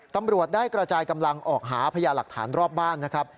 ตำรวจได้กระจายกำลังออกหาพญาหลักฐานรอบบ้านนะครับ